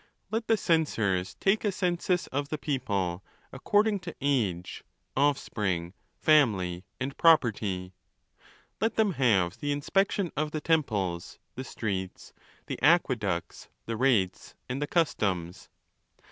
"Let the censors take a census of the 'people, according to: age, offspring, family, and property. Let them have the 464 ON THE LAWS. inspection of the temples, the streets, the aqueducts, the rates, and the customs.